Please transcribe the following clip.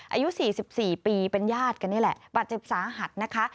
อายุ๔๔ปีเป็นญาติกันนี่แหละบาดเจ็บสาหัสนะคะ